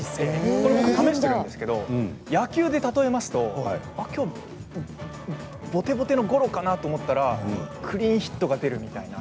これ僕試しているんですけど野球で例えますと、今日ぼてぼてのゴロかな？と思ったらクリーンヒットが出るみたいな。